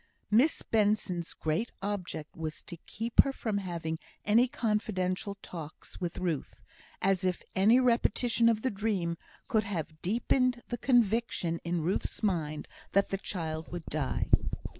Miss Benson's great object was to keep her from having any confidential talks with Ruth; as if any repetition of the dream could have deepened the conviction in Ruth's mind that the child would die.